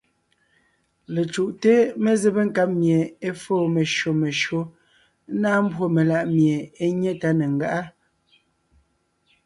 Lecǔʼte mezébé nkáb mie é fóo meshÿó meshÿó, ńnáa mbwó meláʼ mie é nyé tá ne ńgáʼa.